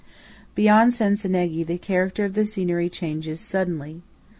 Beyond Cencenighe, the character of the scenery changes suddenly.